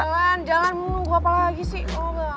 jalan jalan menunggu apa lagi sih